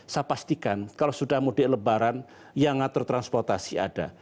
saya pastikan kalau sudah mudik lebaran yang tertransportasi ada